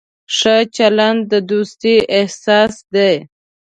ښه چلند د دوستۍ اساس دی.